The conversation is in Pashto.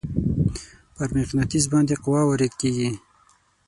پر مقناطیس باندې قوه وارد کیږي.